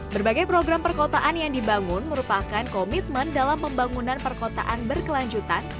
berbagai program perkotaan yang dibangun merupakan komitmen dalam pembangunan perkotaan berkelanjutan